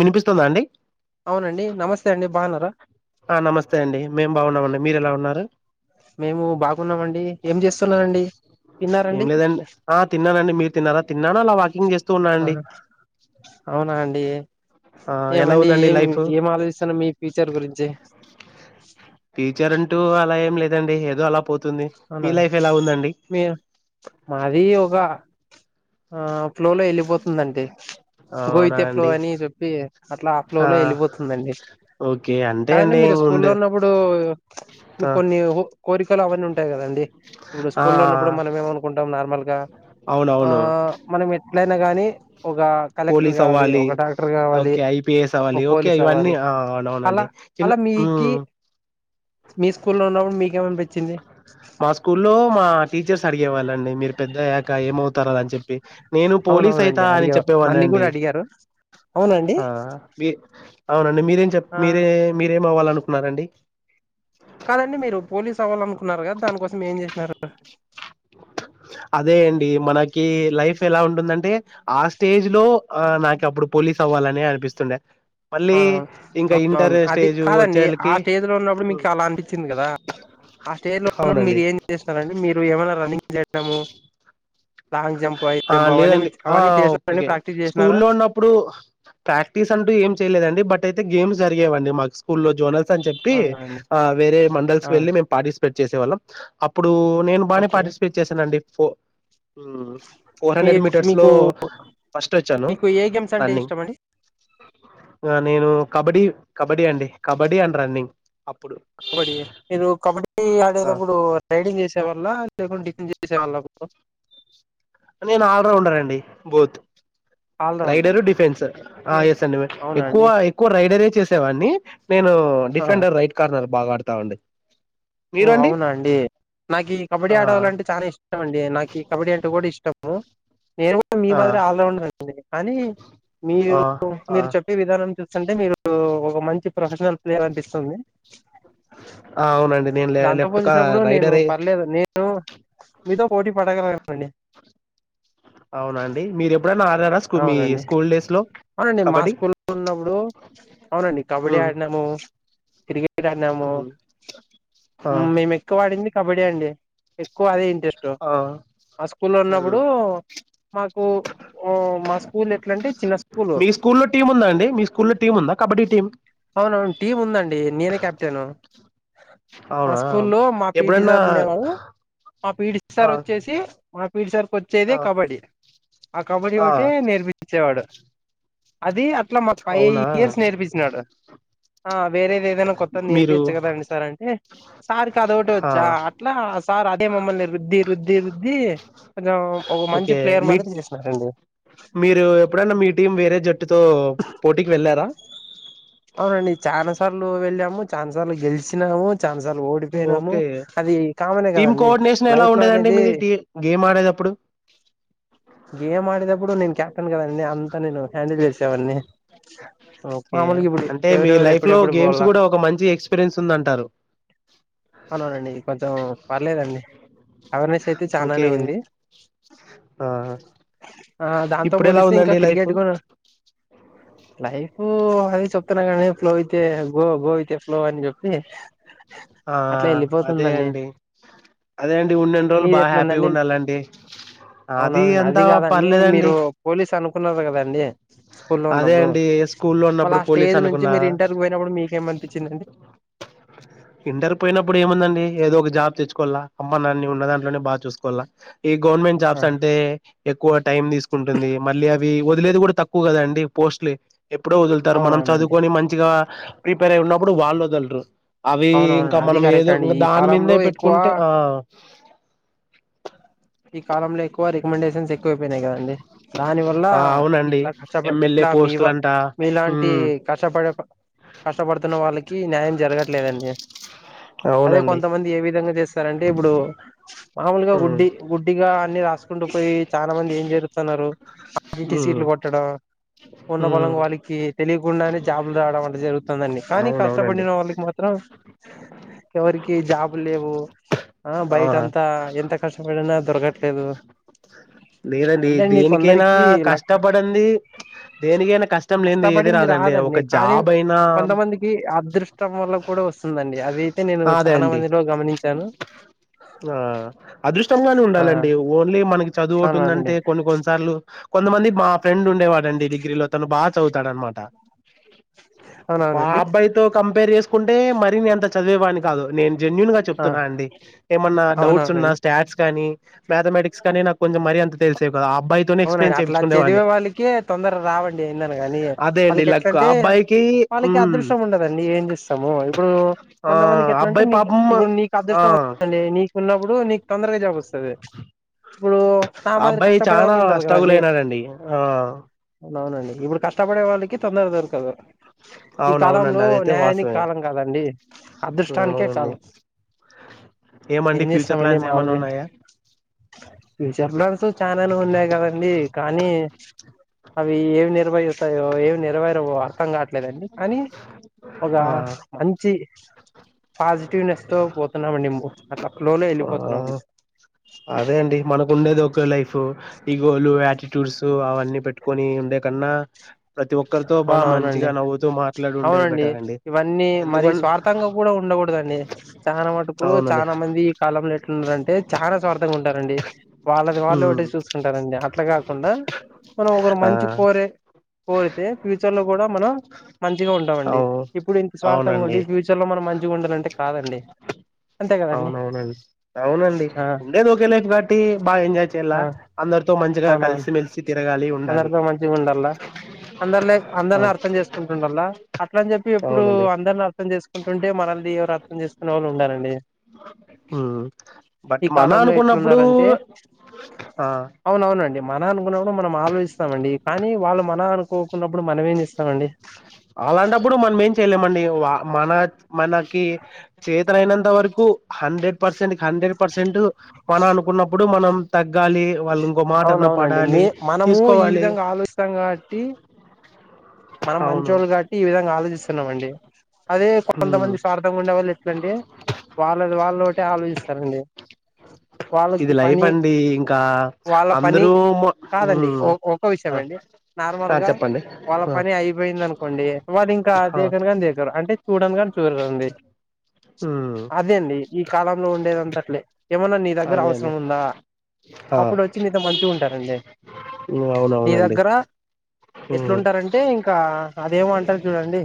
వినిపిస్తుందా అండి అవునండి నమస్తే అండి బాగున్నారా ఆ నమస్తే అండి మేము బాగున్నామండి మీరు ఎలా ఉన్నారు మేము బాగున్నామండి ఏం చేస్తున్నాండి ఏం లేదండి ఆ తిన్నానండి మీరు తిన్నారా తిన్నాను అలా వాకింగ్ చేస్ ఆ అవునా అండి ఆ ఎలా ఏమండి ఉందండి ఏం లైఫ్ ఏం ఆలోచిస్తను మీ ఫ్యూచర్ గురించి టీచర్ అంటూ అలా ఏం లేదండి ఏదో అలా పోతు అవునా మీయ మాది ఒక ఆ ఫ్లోలో వెళ్ళిపోతుందండి అవునా గోహిత్య ఫ్లో అండి అని చెప్పి అట్లా ఆ ఫ్లో లో వెళ్ళిపోతుందండి ఓకే అంతే కాదండి అండి మీరు స్కూల్లో ఉండు ఉన్నప్పుడు ఆ మీకు కొన్ని కోరికలు అవన్నీ ఉంటా ఉంటా కదండి ఇప్పుడు ఆ స్కూల్ ఉన్నప్పుడు మనం ఏమనుకుంటాం నార్మల్ గా ఆ అవునవును మనం ఎట్లా అయితే ఎట్ల గాని ఒక కలెక్టర్ పోలీస్ కావాలి అవ్వాలి ఒక డాక్టర్ కావాలి ఓకే ఐపిఎస్ అవ్వాలి ఒక ఓకే పోలీస్ ఇవన్నీ అవ్వాలి ఆ అలా అవునవునండి చిన్న అలా మీకి మ్మ్ మీ స్కూల్లో ఉన్నప్పుడు మీకేమని అనిపించింది మా స్కూల్లో మా టీచర్స్ అడిగే వాళ్ళండి మీరు పెద్ద అయ్యాక ఏం అవుతారని చెప్పి నేను పోలీస్ అవునవునండి ఐతా అని అడిగేవారు చెప్పేవాని నన్ని కూడా అండి అడిగారు అవునండి ఆ బి అవున మీరేం చెప్ ఆ మీరే మీరేం అవాలనుకున్ ఉన్నారండి కాదండి మీరు పోలీస్ అవ్వాలను కున్నారు గదా దానికోసం ఏమ్ చేసినారు అదే అండి మనకి లైఫ్ ఎలా ఉంటుందంటే ఆ స్టేజ్ లో ఆ నాకు అప్పుడు పోలీస్ అవ్వాలని అనిపిస్తుండే మళ్ళీ అవునవును ఇంకా ఇంటర్ అవునవును అది స్టేజ్ కాదండి ఆ ఆ వచ్చేళ్ళకి ఆ స్టేజ్ లో ఉన్నప్పుడు హ్మ్. మీకు అలా అనిపచ్చింది కదా ఆ స్టేజ్ లో ఉన్నప్పుడు మీరు అవునండి ఏం చేస్తునడి మీరు ఏమైనా రన్నింగ్ లేద్దాము ఆ లేదండి ఆ చేసినారండి ఓకే ప్రాక్టీస్ స్కూ చేసినారా లో ఉన్నప్పుడు ప్రాక్టీస్ అంటూ ఏం చేయలేదండి బట్ అయితే గేమ్స్ జరిగావండి మాకు స్కూల్ల్లో జోన అని చెప్పి అవునా అండి వేరే మండల్ ఆ వెళ్లి పాటిస్పేట్ చేసేవాళ్ళు చేసేవాళ్ళం అప్పుడు అప్పుడు నేను బాగానే ఓకే పార్టిసిపేట్ చేశానండి పో మ మీ మీటర్స్ లో మీకు ఫస్ట్ వచ్చాను మీకు ఏ గేమ్స్ అంటే రన్నింగ్ ఇష్టం అండి నేను కబడి కబడ్డీ అండి కబడ్డీ అండ్ రన్నింగ్ అప్పుడు కబడ్డీ మీరు కబడ్డీ ఆ ఆడేటప్పుడు రైడింగ్ చేసి పళ్ డితన్జస పళ్లా ప నేను ఆల్ రౌండ్ అండి బోత్ ఆల్రౌండర్ రైడరు డిఫెన్స్ ఆ మీరు ఎస్ అండి అవునా ఎక్కువ అండి ఎక్కువ రైడర్ చేసేవాడిని నేను ఆ డిఫెండర్ రైట్ కార్నర్ బాగా ఆడతావుంది ఓ అవునా అండి నాకు ఈ కబడ్డీ ఆ ఆడాలంటే చాలా ఇష్టం అండి నా కబడ్డీ అంటే కూడా ఇష్టం ఓ నేను కూడా మీ ఆ మాదిరి ఆల్రౌండర్ అండి కానీ మీరు ఆ ఆ మీరు చెప్పే విధానం చూస్తే అంటే మీరు ఒక మంచి ప్రొఫెషనల్ ప్లేయర్ అనిపిస్తుంది ఆ అవునండి నేను లే దాంతో లెఫ్ట్ కా పోలిచినప్పుడు నేను రైడరే పర్లేదు నేను మీతో పోటీ పడగలన్ ఇంకా ఏం పని అవున అండి మీరు ఎప్పుడైనా ఆడారా స్కూ మీ అవునండి స్కూల్ డేస్ లో అవునండి మా కబడ్డీ స్కూల్లో ఉన్నప్పుడు అవునండి కబడ్డీ ఉమ్ ఆడినాము క్రికెట్ ఆడినాము ఆ మేము ఎక్కువ ఆడింది ఇన్ని కబడ్డే అండి ఎక్కువ అదే జస్ట్ ఆ మా స్కూల్లో ఉమ్ ఉన్నప్పుడు మాకు ఓ మా స్కూల్ ఎట్లా అంటే చిన్న స్కూల్ మీ స్కూలో టీం ఉందా అండి మీ స్కూలో టీం ఉందా కబడ్డీ టీం అవునవును టీం ఉందండి నేనే కెప్టెను మా అవునా స్కూల్లో మా పిటి ఎప్పుడన్నా సార్ ఉండేవాడు మా పీటి సార్ ఆ వచ్చేసి మాక్ పిటి సార్కి వచ్చేదే ఆ కబడ్డీ ఆ కబడ్డీ ఒకటె నేర్పించేవాడు అది అర్ధం ఈట్లా మాకు ఫైవ్ అవునా ఇయర్స్ నేర్పించినాడు అర్ వేరేది ఏదైనా కొత్తది మీరు నేర్పియచ్చు కదా అండి సార్ అంటే సార్కి అద ఒకట ఆ వచ్చా అట్లా సార్ అదే మమ్మల్ని రుద్ది రుద్ది రుద్ది కొంచం ఒక మంచి ఓకే ప్లేయర్ మీ మాదిరిగా చేసినారండి మీరు ఎప్పుడైనా మీ టీం వేరే జట్టుతో పోటీకి వెళ్ళార్ దా అవునండి చానా సార్లు వెళ్ళాము చానా సార్లు గెలిచినాము చాలా సార్లు ఓడిపోయినాము ఓకే అది కామనే టీమ్ గదండి కోఆర్డినేషన్ ఎలా లైఫ్ లో ఉండేదండి అనేది మీది టీ గేమ్ ఆడేటప్పుడు గేమ్ ఆడేదప్పుడు నేను చెప్పాను కదంీ అంతా నేను హ్యాండిల్ చేసేవాన్నీ ఓకే అంటే మీ ఎవరెవరు లైఫ్ లో ఎప్పుడెప్పుడు గేమ్స్ పోవాల కూడా ఒక మంచి ఎక్స్పీరియన్స్ ఉంద అంటారు అవుననండి కొంచెం పర్లేదండి అవేర్నెస్ అయితే ఓకే చాలానే ఉంది ఆ ఆ దాంతో ఇప్పుడు ఎలా పోలిస్తే ఇంకా ఉందండి లైఫ్ క్రికెట్ కూడా లైఫ్ అది చెప్తున్నా కానీ ఫ్లో అయితే గో గో అయితే ఫ్లో అని చెప్పి ఆ అట్లా అదే వెళ్ళిపోతుందండి అండి అదే అండి ఉన్నన్ని రోజులు మీది బాగా హ్యాపీగా ఎట్లాందండి ఉండాలండి అవునవునండి అది అంతా కాదండి పర్లేదండి మీరు పోలీస్ అనుకున్నారు కదండి స్కూల్లో అదే ఉన్నప్పుడు అండి స్కూల్లో వాళ్ళ ఉన్నప్పుడు ఆ పోలీస్ స్టేజ్ నుంచి అనుకున్నా మీరు ఇంటర్వ్యూ పోయినప్పుడు మీకేంమనిపించిందండి ఇంటర్ పోయినప్పుడు ఏముందండి ఏదో ఒక జాబ్ తెచ్చుకోవాలా కంపన్ని ఉన్న దాంట్లోనే బా చసుకోవాలా ఈ గవర్నమెంట్ జాబ్స్ అంటే ఎక్కువ టైమ్ తీసుకుంటుంది మళ్ళీ అవి ఇవి వదిలేది కూడా తక్కువ కదా అండి పోస్ట్లు ఎప్పుడో వదులుతారు మనం అవునవునండి చదువుకొని మంచిగా ప్రిపేర్ అయ్యి ఉన్నప్పుడు వాళ్ళువదలరూ అవి ఇంకా అవునవును అది మనం కరెక్ట్ ఏదో అండి ఇంకా ఈ దాని మీదే కాలంలో ఎక్కువ పెట్టుకుంటే ఆ ఈ కాలం లే ఎక్కువ రికమండేషన్స్ ఎక్కువైపోయి అయిపోయినాయి కదా అండి దాని వల్ల ఆ అవునండి ఇట్లా కష్టపడి ఎమ్మెల్యే ఇట్లా మీ పోస్టులంట మీలాంటి ఉమ్ కష్టపడే కష్టపడుతున్న వాళ్ళకి న్యాయం జరగట్లేదండి అదే అవునండి కొంతమంది ఏ విధంగా చేస్తారు అంటే ఇప్పుడు మామూలుగా ఉమ్ గుడ్డి గా అన్ని రాసుకుంటూ చాలా మంది ఏం చేరుతున్నారు ఆర్టి ఉమ్ సీట్లు కొట్టడం ఉన్న ఉమ్ పొలంగా వాళ్ళకి తెలియకుండానే జాబులు రావడం అంట జరుగుతుందండి కానీ అవునవునండి కష్టపడిన వాళ్ళకి మాత్రం ఎవరికి జాబులు లేవు ఆ బయట అంతా ఎంత కష్టం ఇప్పుడన్నా దొరకట్లేదు లేదండి అంతేండి దేనికైనా కొందరికి, ల కష్టపడంది దేనికైనా కష్టం లేనిది ఏది కష్టపడింది ఒక రాదండి కానీ జాబ్ అయినా కొంతమందికి అదృష్టం వల్ల కూడా వస్తుందండి, అది అయితే నేను అదే చాలా అండి మందిలో గమనించాను. గా ఆ ఉండాలండి ఓన్లీ మనకి చదువు ఒకటి అవునవునండి ఉందంటే కొన్ని కొన్నిసార్లు కొంతమంది మా ఫ్రెండ్ ఉ ఉండే వాడండి డిగ్రీలో తను బాగా చదువుతాడన్నా మాట ఆ అవునవునండి అబ్బాయితో కంపేర్ చేసుకుంటే కుంటే మరి నే అంత చదివేవాని కాదు నేను జెన్యయుూన్ గా ఆ చెప్తున్నా అండి ఏమన్నా డౌట్స్ ఉన్నా అవునవునండి స్టాట్స్ కానీ మ్యాథమెటిక్స్ కానీ నాకు కొంచం మరి అంత తెలెస్ అవునండి అట్లా చదివే వాళ్ళకి తొందర రావండి, ఏదైనా గాని అదే అండి వాళ్ళకి లక్ ఎట్లంటే ఆ అబ్బాయికి వాళ్ళకి ఉమ్, అదృష్టం ఉండదండి, ఏం చేస్తాము ఇప్పుడు ఆ కొంతమందికి ఎట్లంటే అబ్బాయి నీ పాపం ఇప్పుడు నీకు ఆ అదృష్టం ఉండి నీకున్న ఇప్పుడు నీకు తొందరగా జాబు వస్తాది ఇప్పుడు నా ఆ మాదిరి అబ్బాయి కష్టపడే చాలా వాళ్ళు ఉం స్ట్రగుల్ అయినాడండి ఆ అవు అవునండి ఇప్పుడు కష్టపడే వాళ్ళకి తొందర దొరకదు ఈ అవునవునండి కాలంలో అదైతే న్యాయానికి వాస్తవమే కాలం కాదండి, అదృష్టానికే అవునండి కాలం, ఏమండి ఏం ఫ్యూచర్ చేస్తామండి ప్లాన్స్ ఏమన్నా మామలుగా ఉన్నాయా ఫ్యూచర్ ప్లాన్స్ చాననే ఉన్నాయి. కానీ అవి ఏవ నిర్భయతయో ఏవం నెరవేర అర్థం కావట్లేదండి కానీ ఒక ఆ మంచి పాజిటివ్నెస్ తో పోతున్నామండి, అట్లా ఫ్లో ఆ వెళ్ళిపోతున్నమ్ అండి అదే అండి మనకు ఉండేది ఒక లైఫ్ ఈగోలు ఆటిట్యూడ్స్ అవన్నీ పెట్టుకొని ఉండే కన్నా ప్రతి ఒక్కరితో బాగా అవునవునండి, మంచిగా నవ్వుతూ మాట్లాడి ఉండేది అవునండి బెటర్ అండి ఇవన్నీ మరి ఎందుకన్ స్వార్థంగా కూడా ఉండకూడదండి, చాలా మటుకు అవునండి చాలా మంది ఈ కాలంలో ఎట్లున్నారంటే చాలా స్వార్థంగా ఉంటారండి, వాళ్ళ వాళ్ళు ఉమ్ పెసి చూసుకుంటారండి అట్లా కాకుండా మనం ఒకరు ఆ మంచి కోరే కోరితే ఫ్యూచర్ లో కూడా మనం మంచిగా ఉండామండి, అవు ఇప్పుడు ఇంత స్వార్థంగా ఉండి అవునండి ఫ్యూచర్ లో మనం మంచిగా ఉండాలంటే కాదండి అంతే కదండి అవునవునండి బ ఎన్ వచ్చేలా ఆ అందరితో మంచిగా అవునవును కలిసిమెెలిసి తిరగాలి ఉండాలి అందరితో మంచిగా ఉండాల అందరిలే అందరిని అవును. అర్థం చేసుకుంటుండల్లా అట్ల అని చెప్పి ఎప్పుడు అవునండి అందరిని అర్థం చేసుకుంటుంటే మనల్ని ఎవరు అర్థం చేసుకునే వాళ్ళు ఉండారండి, ఉమ్ బట్ ఈ మన కాలంలో అనుకున్నప్పుడు ఎట్లున్నారంటే ఆ అవునవునండి మనం అనుకున్నప్పు మనం ఆలోచిస్తామండి కానీ వాళ్ళు మన అనుకోకున్న అలాంటప్పుడు మనం ఏం చెయలేమండి మన మనకి చేతల అయినంత వరకు హండ్రెడ్ పర్సెంట్ హండ్రెడ్ పర్సెంట్ మనం అనుకున్నప్పుడు మనం తగ్గాలి వాళ్ళు ఇంకో మాటన్న అవునవునండి మీ పడాలి మనము ఈ తీసుకోవాలి విధంగా ఆలోచిస్తాం కాబట్టి మనం అవును మంచిళ్ళు కాట్టి ఈ విధంగా ఆలోచిస్తం స్తున్నామండి అదే ఉమ్ కొంతమంది స్వార్థంగా ఉండేవాళ్ళు ఎట్లండి వాళ్ళ వాళ్ళు అట్టే ఆలోచిస్తారంండి ఇది లైఫ్ అండి ఇంకా వాళ్ళ పని అందరూ కాదండి ఒ ఒక విషయం అండి నార్మల్ గా చెప్పండి వాళ్ళ పని అయిపోయింది అనుకోండి వాళ్ళు ఇంకా ఆ దేకను కాని దేక్కరు చూడ కాని చూరుదంది ఉమ్ అదే అండి ఈ కాలంలో ఉండేదంతట్లే ఏమన్నా నీ దగ్గర అదే అవసరం అండి ఉందా ఆ అప్పుడు వచ్చి నీతో మంచిగా ఉంటారండి నీ అవునవునండి దగ్గర ఉమ్ ఎట్లుంటారంటే అంటే ఇంకా అదేమ అంటారు చూడండి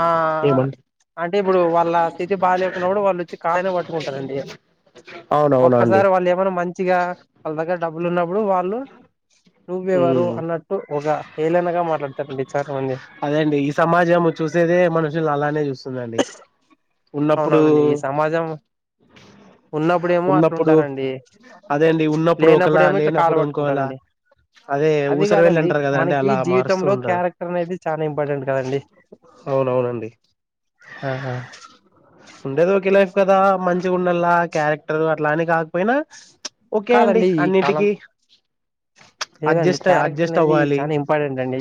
ఆ ఏమండి అంటే ఇప్పుడు వాళ్ళ స్థితి బాగా లేకున్నప్పుడు వాళ్ళు వచ్చి కాయనే పట్టుకుంటారండి అవునవునండి ఒక్కసారి వాళ్ళు ఏమైన్నా ల్ డబ్బ ఇళు ఉన్నప్పుడు వాళ్ళు నుూ్వేవారు అన్నట్టు ఒకగ ఏలనగ అదేండి ఈ సమాజం చూసేదే మనుషులు అలానే చూస్త వస్తుందండి అవుననండి ఈ సమాజం ఉన్నప్పుడేమో ఉన్నప్పుడు అట్లాంటారంండి అదే అండి ఉన్నప్పుడు ఒకలా లేనప్పుడేమో ఇట్లా కాలు లేనప్పుడు ఇంకోలా పట్టుకుంటారండి అదే అది ఊసర వెళ్ళి కాదండి అంటారు కదా అండి మనకి అలా మారుస్తూ జీవితంలో ఉంటారు క్యారెక్టర్ అనేది చాలా ఇంపార్టెంట్ కదండి అవునవునండి ఉండే త ఒకకిలాఫ కదా మంచిగా ఉండలా క్యారెక్టర్ అట్లానే కాకపోయినా ఓకే అండి కాదండి ఈ కాలం అన్నింటికిీ లేదండి క్యారెక్టర్ అనేది చాలా ఇంపార్టెంట్ అండి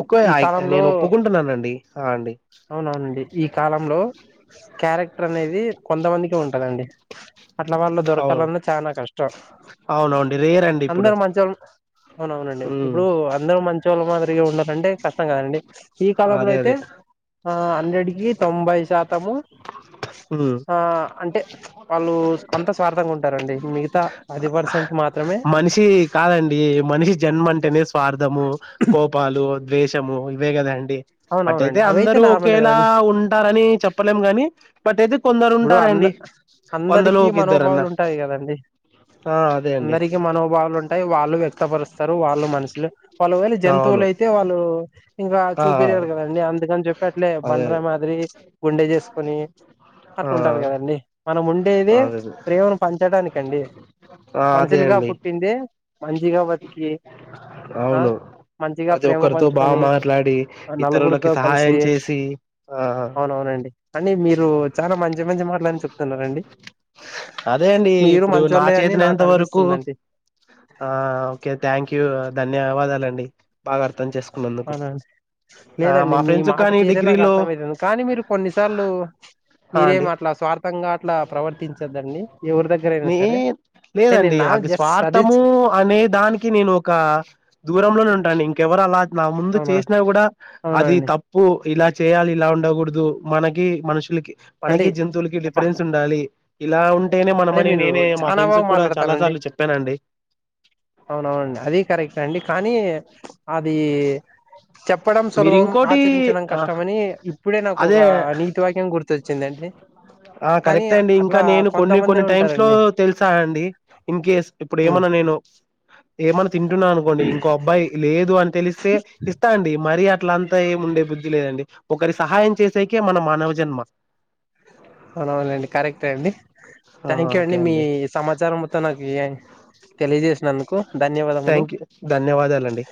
ఒకే ఈ కాలంలో నేను ఒప్పుకుంటున్నానండి ఆ అండి అవునవునండి ఈ కాలంలో క్యారెక్టర్ అనేది అది కొంతమందికి ఉంటందండి అట్ల వాళ్ళు అవును దొరకాలన్న కష్టం అవునవుండి రేర్ అండి ఇప్పుడు అందరు మంచిళ అవునవునండి ఉమ్ ఇప్పుడు అందరూ మంచి వాళ్ళ మాదిరిగా ఉండాలంటే కష్టం కాదండి ఈ కాలంలో అదే అయితే అదే ఆ హండెడ్కి తొంభై శాతము ఉమ్ ఆ అంటే వాళ్ళు అంత స్వార్థంగా ఉంటు డి మిగతా పది పర్సెంట్ మాత్రమే ద స్వార్థము కోపాలు ద్వేము ఇవే కద అండి బట్యితే అవునవునండి అవైతే అందరూ నార్మలే ఒకేలా కదండి ఉంటారని చెప్పలేం గాని బట్ అయితే కొందరు ఇప్పుడు అంద ఉంటారండి వందలో అందరికీ ఒక ఇద్దరన్నా మనోభావాలు ఉంటాయి కదండి ఆ అదే అండి అందరికీ మనోభావాలు ఉంటాయి వాళ్ళు వ్యక్తపరుస్తారు వాళ్ళు మనిష పలువేళ అవును జంతువులు అయితే వాళ్ళు ఇంకా ఆ ఆ, చూపించారు కదండి అందుకని చెప్పి అట్లే అదే బండర అదే మాదిరి గుండె చేసుకొని ఆ అట్లాంటారు కదండి మనం ఉండేది అదే అదే ప్రేమను పంచడానికండి ఆ అదే మనుషులుగా అండి పుట్టింది మంచిగా బతికి ఆ అవును మంచిగా ప్రతి ప్రేమ ఒక్కరితో బాగా పంచుకొని మాట్లాడి ఇతరులకి నలుగురితో కలిసి సహాయం చేసి ఆ అవునవునండి అని మీరు మలా చెప్తున్నారంండి అదే అండి ఇప్పుడు నా అని చేతిన ఎంత నాకు వరకు అనిపిస్తుందండి ఆ ఓకే థ్యాంక్ యూ ధన్యవాదాలండి బాగా అర్థం చేసుకో అవునండి లేదండి మీ ఫ్రెండ్స్ మాట కానీ తీరే నాకు డిగ్రీలో అర్థమైతుంది కానీ మీరు కొన్నిసార్లు మీరే మాట్లాడు తారు దగ్గర న అయినా సరే అంటే నేను లేదండి నా నాకు జస్ట్ సజెస్ట్ స్వార్థము ఇంకెవరు అలా నా ముందు అవునా చేసినా కూడా అది అవునండి తప్పు ఇలా చేయాలి ఇలా ఉండకూడదు మనకి మనుషులకి అండి పనకి జంతువులకి ఫ్రెండ్స్ ఉండాలి ఇలా ఉం అంటే మీరు చాలా బాగా మాట్లాడతానండి సార్లు చెప్పానండి అవునవునండి అది కరెక్ట్ అండి కానీ అది చెప్పడం మీరు సులభం ఇంకోటి ఆచరించడం కష్టం అని ఇప్పుడే నాకు ఒక అదే నీతి వాక్యం గుర్తొచ్చిందిండి ఆ కానీ కరెక్ట్ అండి ఇంకా అట్లా నేను కొంత కొన్ని కొన్ని టైమ్స్ లో తెలుసాండి ఇన్ కేస్ ఇపుడు ఎం ఉమ్, అన నేను ఏం అన్న తింటున్నా అనుకోండి ఇంకో అబ్బాయి లేదు అని తెలిస్తే ఇస్తా అండి మరి అట్ల అంతా ఏమిండే బుద్ధి లేదండి ఒకరి సహాయం చేసేకే మన మానవ జన్మ అవునవునండి కరెక్టే అండి ఆ థ్యాంక్ యూ అండి ఓకే మీ సమాచారం మొత్తం నాకు తెలియజేసినందుకు ధన్యవాదములు థ్యాంక్ యూ ధన్యవాదాలండి